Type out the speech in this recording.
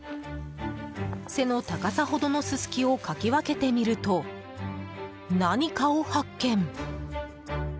背の高さほどのススキをかき分けてみると何かを発見。